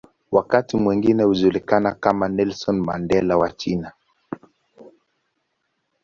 Wakati mwingine hujulikana kama "Nelson Mandela wa China".